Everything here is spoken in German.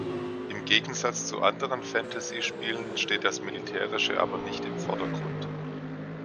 Im Gegensatz zu anderen Fantasy-Spielen steht das Militärische aber nicht im Vordergrund.